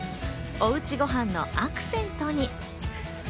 おうちごはんのアクセントに。